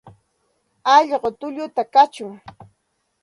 Alqu tulluta kachun.